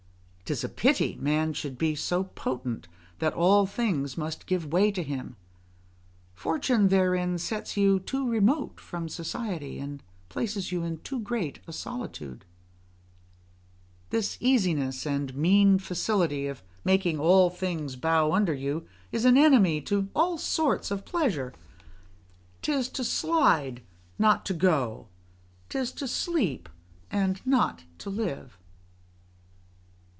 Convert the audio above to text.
'Tis pity a man should be so potent that all things must give way to him; fortune therein sets you too remote from society, and places you in too great a solitude. This easiness and mean facility of making all things bow under you, is an enemy to all sorts of pleasure: 'tis to slide, not to go; 'tis to sleep, and not to live.